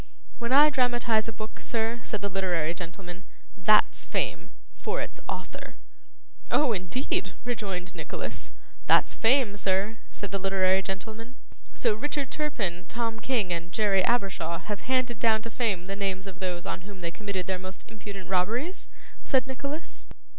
'When I dramatise a book, sir,' said the literary gentleman, 'THAT'S fame. For its author.' 'Oh, indeed!' rejoined Nicholas. 'That's fame, sir,' said the literary gentleman. 'So Richard Turpin, Tom King, and Jerry Abershaw have handed down to fame the names of those on whom they committed their most impudent robberies?' said Nicholas.